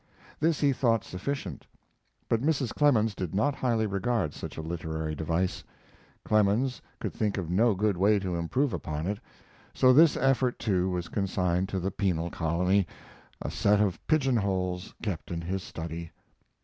This he thought sufficient, but Mrs. Clemens did not highly regard such a literary device. Clemens could think of no good way to improve upon it, so this effort too was consigned to the penal colony, a set of pigeonholes kept in his study.